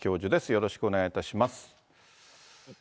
よろしくお願いします。